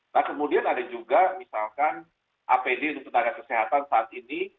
nah kemudian ada juga misalkan apd untuk tenaga kesehatan saat ini